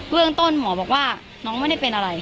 เรื่องต้นหมอบอกว่าน้องไม่ได้เป็นอะไร